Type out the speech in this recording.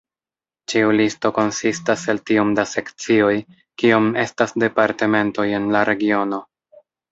Ĉiu listo konsistas el tiom da sekcioj kiom estas departementoj en la regiono.